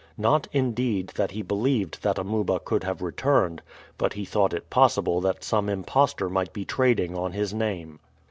Not, indeed, that he believed that Amuba could have returned; but he thought it possible that some impostor might be trading on his name.